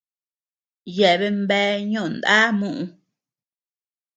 Yeabean bea ñoʼó ndá muʼu.